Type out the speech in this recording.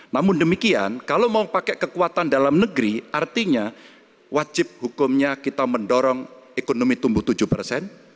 namun demikian kalau mau pakai kekuatan dalam negeri artinya wajib hukumnya kita mendorong ekonomi tumbuh tujuh persen